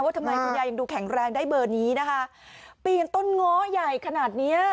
ทำไมคุณยายยังดูแข็งแรงได้เบอร์นี้นะคะปีนต้นง้อใหญ่ขนาดเนี้ย